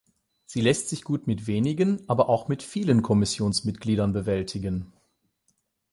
Sie lässt sich gut mit wenigen, aber auch mit vielen Kommissionsmitgliedern bewältigen.